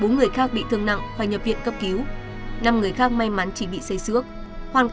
bốn người khác bị thương nặng phải nhập viện cấp cứu năm người khác may mắn chỉ bị xây xước hoàn